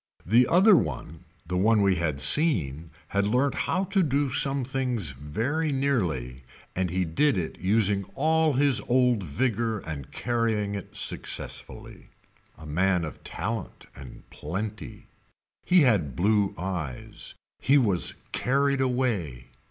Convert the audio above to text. The other one the one we had seen had learnt how to do somethings very nearly and he did it using all his old vigor and carrying it successfully. A man of talent and plenty. He had blue eyes. He was carried away.